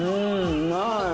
うまい。